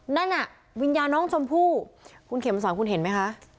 นั่นน่ะวิญญาณน้องชมพู่คุณเข็มมาสอนคุณเห็นไหมคะ